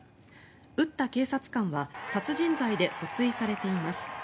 撃った警察官は殺人罪で訴追されています。